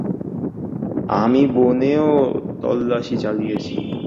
আমি বনেও তল্লাশি চালিয়েছি।